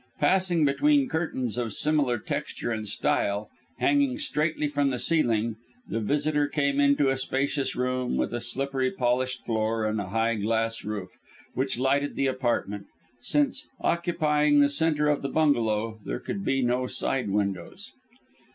Passing between curtains of similar texture and style, hanging straightly from the ceiling, the visitor came into a spacious room with a slippery polished floor and a high glass roof, which lighted the apartment, since, occupying the centre of the bungalow, there could be no side windows.